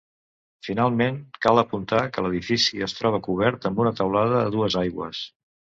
Finalment, cal apuntar, que l'edifici es troba cobert amb una teulada a dues aigües.